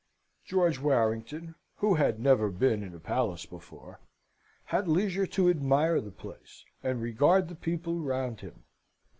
George Warrington, who had never been in a palace before, had leisure to admire the place, and regard the people round him.